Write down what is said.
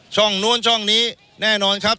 ช่องนู้นช่องนี้แน่นอนครับ